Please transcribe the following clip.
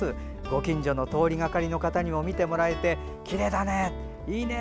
ご近所の通りがかりの方にも見てもらえてきれいだね、いいね。